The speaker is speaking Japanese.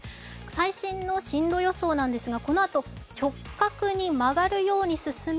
最新の進路予想なんですがこのあと直角に曲がるように進み